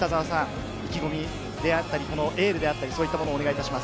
意気込みであったり、エールであったり、そういったものをお願いします。